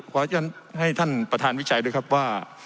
ขอให้ท่านประธานวิจัยด้วยครับว่า